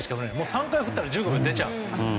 ３回振ったら１５秒出ちゃう。